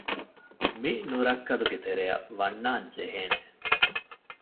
މި ނުރައްކަލުގެ ތެރެއަށް ވަންނާން ޖެހޭނެ